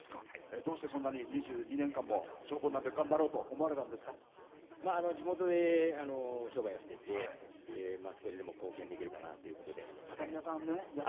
どうして、２２年間も消防団で頑張ろうと地元で商売をしていて少しでも貢献できればと思って。